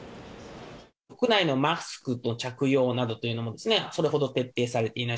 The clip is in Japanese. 国内のマスクの着用などというのも、それほど徹底されていない。